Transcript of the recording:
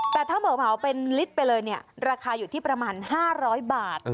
ถ้าหนาวบอกว่าเป็นลิตรไปเลยราคาอยู่ที่ประมาณ๕๐๐บาท